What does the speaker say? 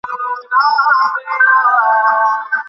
তিনি "সৎ মানুষ, তাঁর চিন্তাধারা স্বচ্ছ"।